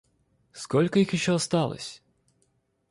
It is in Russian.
Сколько их еще осталось?